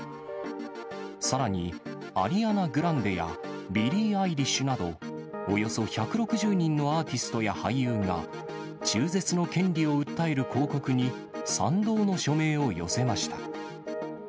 さらに、アリアナ・グランデや、ビリー・アイリッシュなど、およそ１６０人のアーティストや俳優が、中絶の権利を訴える広告に賛同の署名を寄せました。